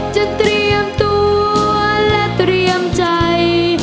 เตรียมตัวและเตรียมใจ